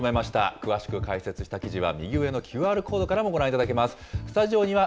詳しく解説した記事は、右上のＱＲコードからもご覧いただけます。